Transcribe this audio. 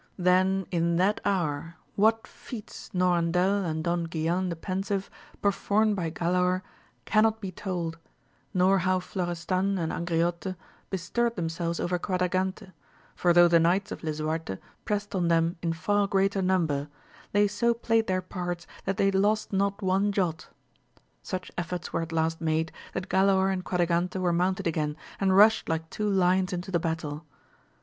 Then in that hour what feats Norandel and Don Guilan the pensive performed by Galaor cannot be told, nor how Florestan and Angriote bestirred themselves over Quadragante, for though the knights of Lisuarte pressed on them in far greater number, they so played their parts that they lost not one jot. Such efforts were at last made, that Galaor and Quadragante were mounted again, and rushed like two Hons into the battle.